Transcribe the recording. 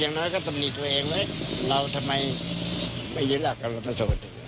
แบบนี้ก็ต้องมีตัวเองไว้ทำไมไม่ยืนรักกับรับประสูชน์